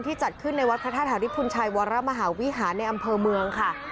จัดขึ้นในวัดพระธาตุหาริพุนชัยวรมหาวิหารในอำเภอเมืองค่ะ